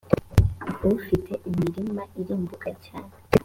ufite imirima irumbuka cyane .